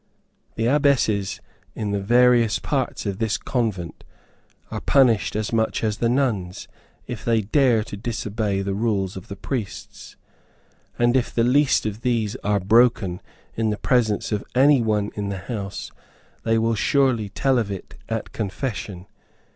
The abbesses in the various parts of this convent are punished as much as the nuns, if they dare to disobey the rules of the priests; and if the least of these are broken in the presence of any one in the house, they will surely tell of it at confession.